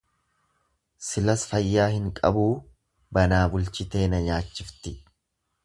"""Silas fayyaa hin qabuu banaa bulchitee na nyaachifti."""